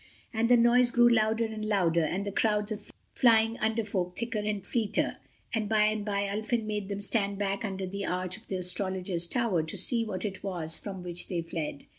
And the noise grew louder and louder, and the crowds of flying Under Folk thicker and fleeter, and by and by Ulfin made them stand back under the arch of the Astrologers' Tower to see what it was from which they fled.